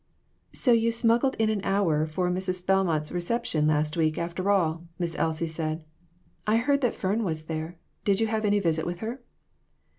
"So you smuggled in an hour for Mrs. Bel mont's reception last week, after all," Miss Elsie said. "I heard that Fern was there; did you have any visit with her